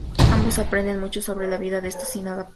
Ambos aprenden mucho sobre la vida de estos inadaptados.